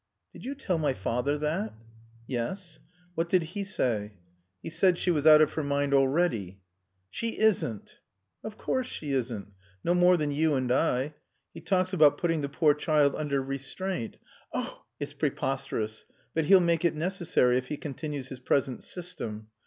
"Did you tell my father that?" "Yes." "What did he say?" "He said she was out of her mind already." "She isn't!" "Of course she isn't. No more than you and I. He talks about putting the poor child under restraint " "Oh " "It's preposterous. But he'll make it necessary if he continues his present system.